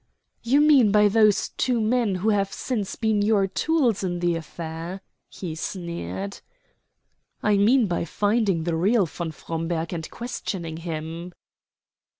"You mean by those two men who have since been your tools in the affair?" he sneered. "I mean by finding the real von Fromberg and questioning him."